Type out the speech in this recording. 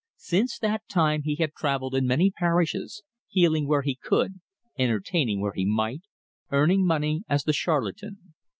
Since that time he had travelled in many parishes, healing where he could, entertaining where he might, earning money as the charlatan.